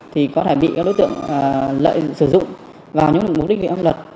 thì có thể bị các đối tượng lợi sử dụng vào những mục đích viễn pháp luật